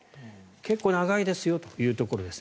結構、長いですよというところです。